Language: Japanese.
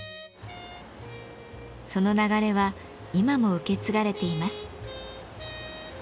その流れは今も受け継がれています。